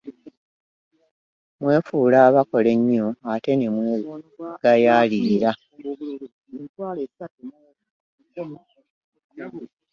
Mwefuula abakola ennyo ate ne mwegayaalira.